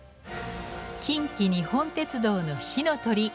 近畿日本鉄道の「ひのとり」。